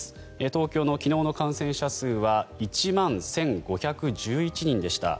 東京の昨日の感染者数は１万１５１１人でした。